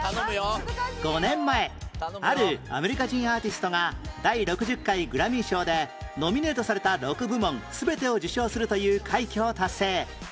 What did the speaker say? ５年前あるアメリカ人アーティストが第６０回グラミー賞でノミネートされた６部門全てを受賞するという快挙を達成